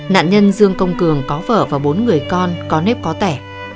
nạn nhân dương công cường có vợ và bốn người con có nếp có tẻ